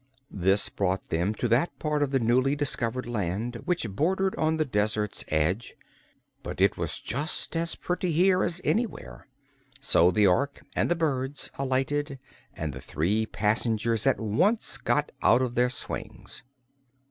This brought them to that part of the newly discovered land which bordered on the desert's edge; but it was just as pretty here as anywhere, so the Ork and the birds alighted and the three passengers at once got out of their swings.